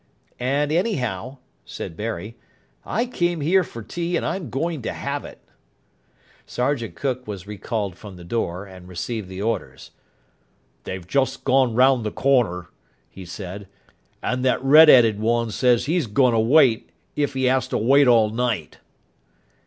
"And anyhow," said Barry, "I came here for tea, and I'm going to have it." Sergeant Cook was recalled from the door, and received the orders. "They've just gone round the corner," he said, "and that red 'eaded one 'e says he's goin' to wait if he 'as to wait all night."